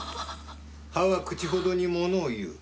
歯は口ほどにものを言う。